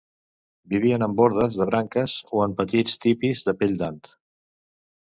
Vivien en bordes de branques o en petits tipis de pell d'ant.